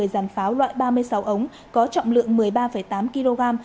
một mươi dàn pháo loại ba mươi sáu ống có trọng lượng một mươi ba tám kg